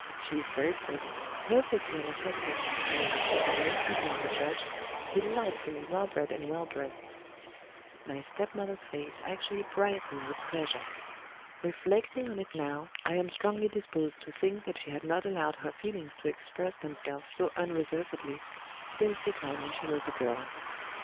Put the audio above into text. She is very pretty, perfectly unaffected, and, if I may presume to judge, delightfully well bred and well dressed." My stepmother's face actually brightened with pleasure. Reflecting on it now, I am strongly disposed to think that she had not allowed her feelings to express themselves so unreservedly, since the time when she was a girl.